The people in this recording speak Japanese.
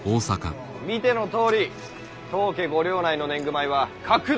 見てのとおり当家ご領内の年貢米は格段に出来がよい。